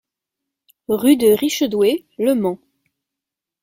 Rue de Richedoué, Le Mans